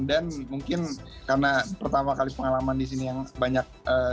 dan mungkin karena pertama kali pengalaman di sini yang banyak